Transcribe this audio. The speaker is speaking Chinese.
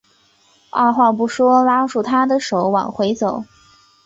二话不说拉住她的手往回走